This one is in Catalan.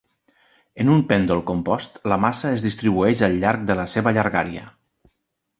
En un pèndol compost, la massa es distribueix al llarg de la seva llargària.